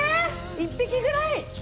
１匹くらい。